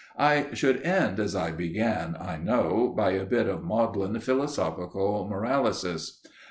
I should end as I began, I know, by a bit of maudlin philosophical moralysis.